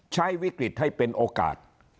ใช้วิกฤตให้เป็นโอกาส